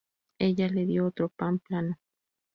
Ella le dió otro pan plano.